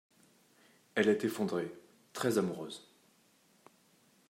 elle est effondrée, très amoureuse